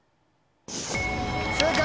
正解！